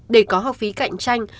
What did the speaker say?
để có học phí cạnh tranh